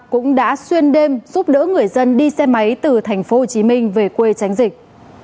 cũng đã xuyên đêm giúp đỡ người dân đi xe máy từ tp hcm về quê tránh dịch